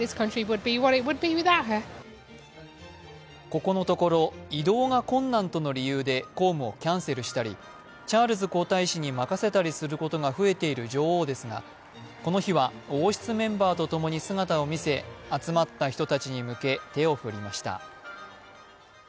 ここのところ、移動が困難との理由で公務をキャンセルしたりチャールズ皇太子に任せたりすることが増えている女王ですが、この日は王室メンバーと共に姿を見せ集まった人たちに向け、手を振りました。